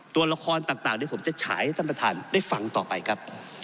ตัวละครต่างผมจะใช้สำนักทานได้ฟังต่อไปครับ